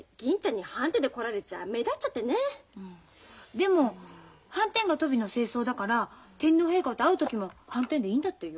でもはんてんがトビの正装だから天皇陛下と会う時ははんてんでいいんだってよ。